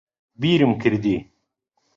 بیرم کردی